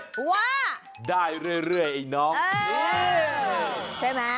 ดอกใหญ่ขายอยู่ที่ราคาดอกละ๒บาท